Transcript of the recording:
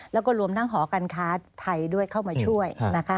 แล้วก็รวมทั้งหอการค้าไทยด้วยเข้ามาช่วยนะคะ